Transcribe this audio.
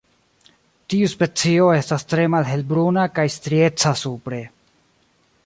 Tiu specio estas tre malhelbruna kaj strieca supre.